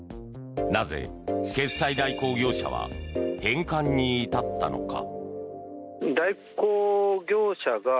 なぜ決済代行業者は返還に至ったのか。